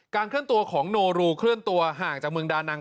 เคลื่อนตัวของโนรูเคลื่อนตัวห่างจากเมืองดานัง